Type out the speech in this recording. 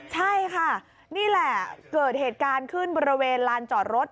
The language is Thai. ใช่ค่ะนี่แหละเกิดเหตุการณ์ขึ้นบริเวณลานจอดรถ